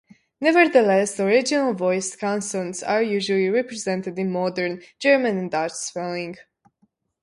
Nevertheless, the original voiced consonants are usually represented in modern German and Dutch spelling.